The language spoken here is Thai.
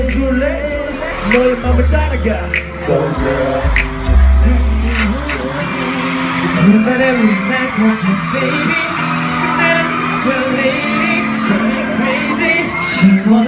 เยี่ยมมาก